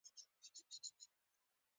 موري پخیر راشي